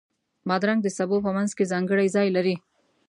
بادرنګ د سبو په منځ کې ځانګړی ځای لري.